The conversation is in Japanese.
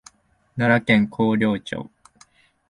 奈良県広陵町